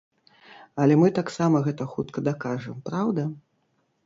Але мы таксама гэта хутка дакажам, праўда?